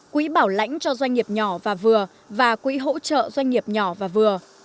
quỹ bảo lãnh cho doanh nghiệp nhỏ và vừa và quỹ hỗ trợ doanh nghiệp nhỏ và vừa